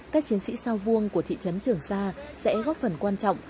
các chiến sĩ sao vuông của thị trấn trường sa sẽ góp phần quan trọng